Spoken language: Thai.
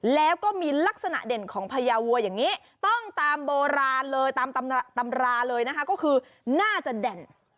แล้วก็มีลักษณะเด่นของพญาวัวอย่างนี้ต้องตามโบราณเลยตามตำราเลยนะคะก็คือน่าจะแด่น